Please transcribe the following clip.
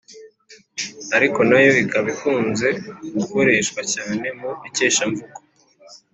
ariko nayo ikaba ikunze gukoreshwa cyane mu ikeshamvugo